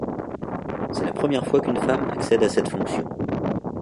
C'est la première fois qu'une femme accède à cette fonction.